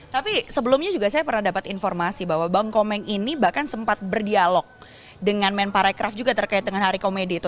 tapi sebelumnya juga saya pernah dapat informasi bahwa bang komeng ini bahkan sempat berdialog dengan men parekraf juga terkait dengan hari komedi itu